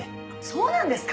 そうなんですか！